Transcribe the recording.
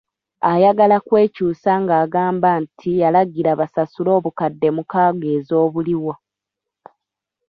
Ayagala kwekyusa ng’agamba nti yalagira basasule obukadde mukaaga ez’obuliwo.